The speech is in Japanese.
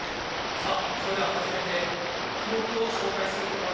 さあそれでは初めて記録を紹介することができます。